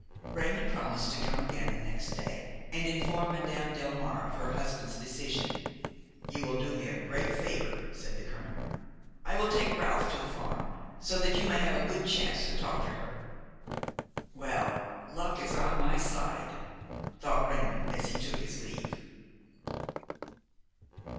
Raymon promised to come again the next day and inform Madame Delmare of her husband's decision. "You will do me a very great favor," said the colonel. "I will take Ralph to the farm, so that you may have a good chance to talk with her." "Well, luck is on my side!" thought Ralph, as he took his leave.